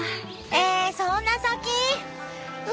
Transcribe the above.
ええそんな先？